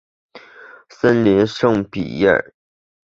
森林圣皮耶尔。